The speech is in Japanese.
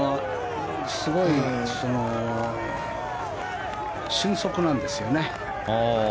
すごい俊足なんですね。